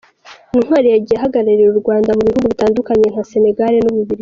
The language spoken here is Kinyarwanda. Ntwari yagiye ahagararira u Rwanda mu bihugu bitandukanye nka Senegal n’u Bubiligi.